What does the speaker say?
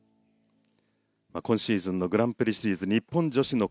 今シーズンのグランプリシリーズ日本女子の